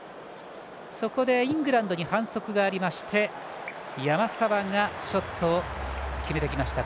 そこでイングランドに反則がありまして山沢がショットを決めました。